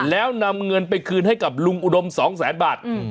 แล้วนำเงินไปคืนให้กับลุงอุดม๒แสนบาท